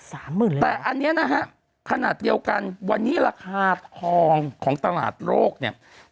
๓๐๐๐๐เลยเหรอแต่อันนี้นะฮะขนาดเดียวกันวันนี้ราคาทองของตลาดโลกเนี่ย